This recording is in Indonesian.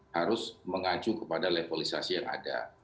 harus mengacu kepada levelisasi yang ada